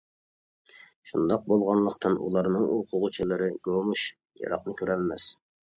شۇنداق بولغانلىقتىن ئۇلارنىڭ ئوقۇغۇچىلىرى گومۇش، يىراقنى كۆرەلمەس.